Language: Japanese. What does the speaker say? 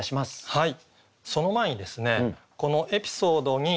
はい。